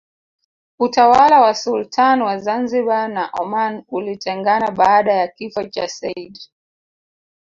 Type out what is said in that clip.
Utawala wa Sultan wa Zanzibar na Oman ulitengana baada ya kifo cha Seyyid